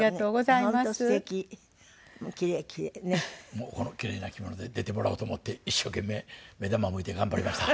もうこのキレイな着物で出てもらおうと思って一生懸命目玉をむいて頑張りました。